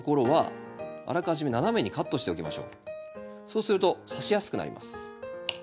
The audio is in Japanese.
そうするとさしやすくなります。